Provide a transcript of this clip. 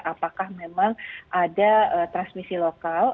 apakah memang ada transmisi lokal